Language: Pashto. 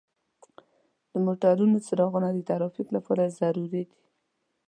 د موټرو څراغونه د ترافیک لپاره ضروري دي.